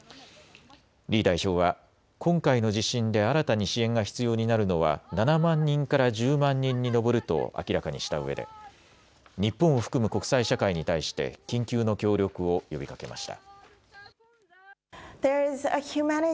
リー代表は今回の地震で新たに支援が必要になるのは７万人から１０万人に上ると明らかにしたうえで日本を含む国際社会に対して緊急の協力を呼びかけました。